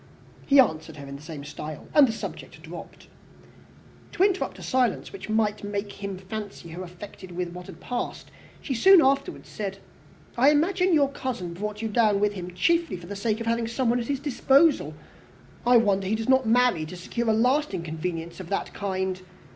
He answered her in the same style, and the subject dropped. To interrupt a silence which might make him fancy her affected with what had passed, she soon afterwards said, "I imagine your cousin brought you down with him chiefly for the sake of having somebody at his disposal. I wonder he does not marry, to secure a lasting convenience of that kind.